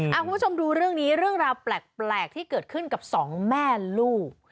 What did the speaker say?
คุณผู้ชมดูเรื่องนี้เรื่องราวแปลกที่เกิดขึ้นกับสองแม่ลูก